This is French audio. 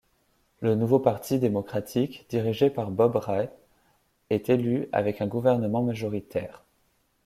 Le Nouveau Parti démocratique, dirigé par Bob Rae, est élu avec un gouvernement majoritaire.